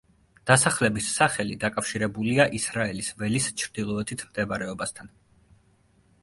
დასახლების სახელი დაკავშირებულია ისრაელის ველის ჩრდილოეთით მდებარეობასთან.